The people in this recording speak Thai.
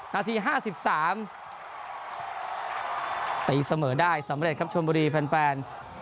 นาทีห้าสิบสามตีเสมอได้สำเร็จครับชมบุรีแฟนแฟน